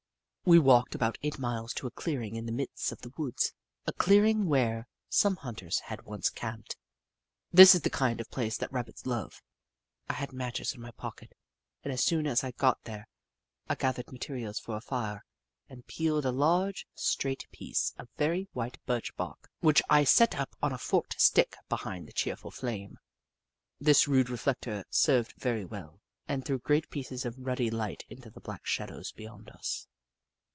We walked about eight miles to a clearing in the midst of the woods — a clearing where some hunters had once camped. This is the kind of a place that Rabbits love. I had matches in my pocket, and as soon as I got Jenny Ragtail 193 there I gathered materials for a fire, and peeled a large, straight piece of very white birch bark, which I set up on a forked stick behind the cheerful flame. This rude reflector served very well, and threw great pieces of ruddy light into the black shadows beyond us.